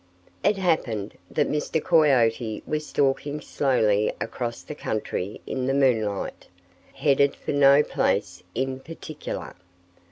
It happened that Mr. Coyote was stalking slowly across the country in the moonlight, headed for no place in particular.